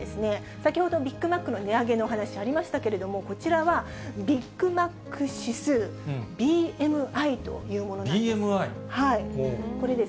先ほどビッグマックの値上げのお話ありましたけれども、こちらは、ビッグマック指数・ＢＭＩというものなんです。